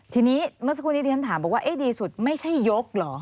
ทีนี้เมื่อสักครู่นี้ที่ฉันถามบอกว่าดีสุดไม่ใช่ยกเหรอ